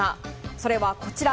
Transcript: それは、こちら。